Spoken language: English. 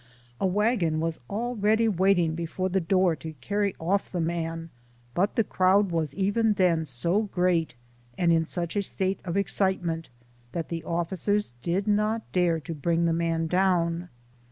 A wagon was already waiting before the door to carry off the man, but the crowd was even then so great, and in such a state of excitement, that the officers did not dare to bring the man down.